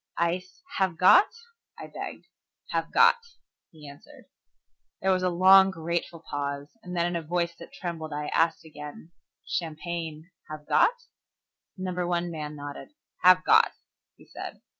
"Ice, have got?" I begged. "Have got," he answered. There was a long, grateful pause, and then in a voice that trembled, I again asked, "Champagne, have got?" Number One man nodded. "Have got," he said.